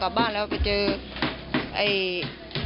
ปลาส้มกลับมาถึงบ้านโอ้โหดีใจมาก